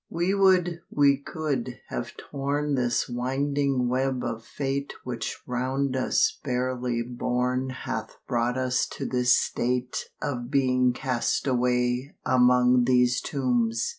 We would we could have torn This winding web of fate Which round us barely born Hath bought us to this state Of being cast away Among these tombs.